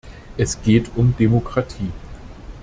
Es geht um Demokratie.